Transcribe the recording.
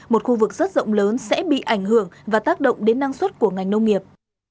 một khu vực rất rộng lớn sẽ bị ảnh hưởng và tác động đến năng suất của ngành nông nghiệp